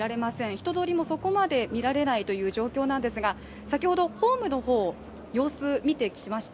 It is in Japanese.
人通りもそこまで見られないという状況なんですが先ほどホームの様子を見てきました。